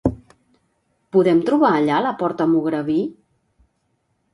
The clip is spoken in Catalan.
Podem trobar allà la porta Mugrabí?